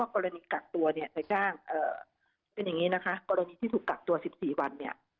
กรณีกากตัว๑๔วัน